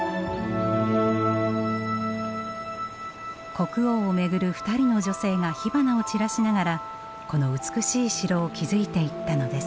国王を巡る２人の女性が火花を散らしながらこの美しい城を築いていったのです。